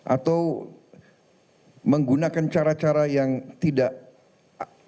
atau menggunakan cara cara yang tidak terlalu baik